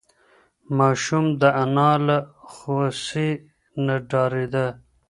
ماشوم د انا له غوسې نه ډارېده.